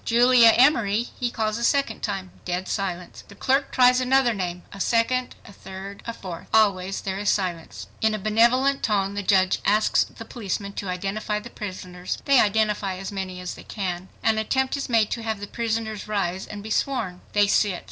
"Julia Emory," he calls a second time. Dead silence! The clerk tries another name, a second, a third, a fourth. Always there is silence! In a benevolent tone, the judge asks the policeman to identify the prisoners. They identify as many as they can. An attempt is made to have the prisoners rise and be sworn. They sit.